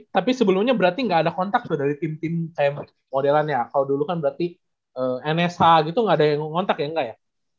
tapi sebelumnya berarti gak ada kontak tuh dari tim tim modelannya kalau dulu kan berarti nsh gitu gak ada yang ngontak ya enggak ya